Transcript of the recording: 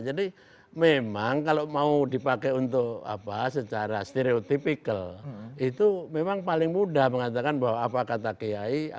jadi memang kalau mau dipakai secara stereotypical itu memang paling mudah mengatakan bahwa apa kata kiai